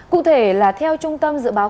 cụ thể là theo trung tâm dự báo